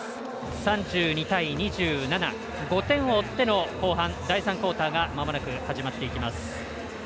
３２対２７、５点を追っての後半、第３クオーターがまもなく始まっていきます。